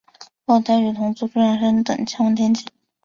后他与同族朱仰山等迁往天津。